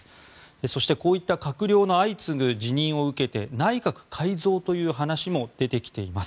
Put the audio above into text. そして、こういった閣僚の相次ぐ辞任を受け内閣改造という話も出てきています。